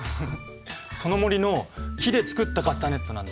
その森の木で作ったカスタネットなんだ。